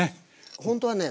ほんとはね